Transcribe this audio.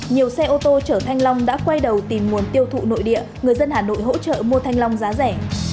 nhiều xe ô tô chở thanh long đã quay đầu tìm nguồn tiêu thụ nội địa người dân hà nội hỗ trợ mua thanh long giá rẻ